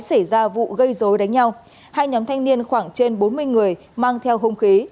xảy ra vụ gây dối đánh nhau hai nhóm thanh niên khoảng trên bốn mươi người mang theo hung khí